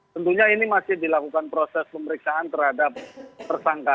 tentunya ini masih dilakukan proses pemeriksaan terhadap tersangka